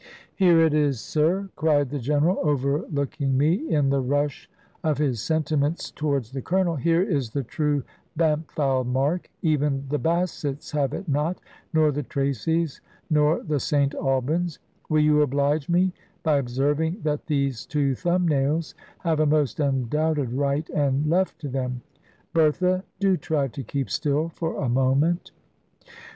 "Here it is, sir," cried the General, overlooking me, in the rush of his sentiments towards the Colonel: "here is the true Bampfylde mark. Even the Bassets have it not, nor the Traceys, nor the St Albyns. Will you oblige me by observing that these two thumb nails have a most undoubted right and left to them? Bertha, do try to keep still for a moment."